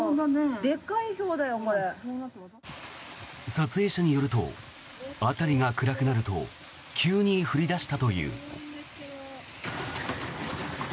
撮影者によると辺りが暗くなると急に降り出したという。